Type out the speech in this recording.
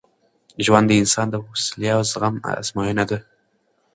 ژوند د انسان د حوصلې او زغم ازموینه ده.